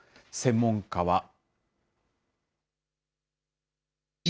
専門家は。